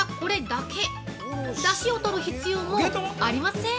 だしを取る必要もありません。